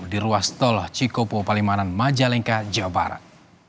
di ruas tol cikopo palimanan majalengka jawa barat